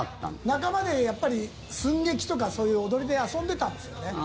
仲間で寸劇とかそういう踊りで遊んでたんですよね。